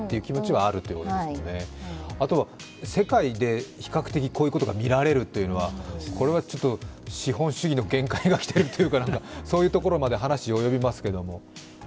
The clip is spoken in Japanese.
あとは世界で比較的こういうことがみられるということは、これは資本主義の限界が来ているというか、そういうところにまで話が及びますけれども。